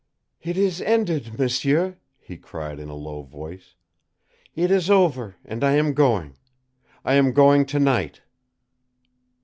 "It is ended, m'sieur," he cried in a low voice. "It is over, and I am going. I am going to night."